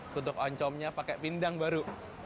tutup oncomnya pakai pindang baru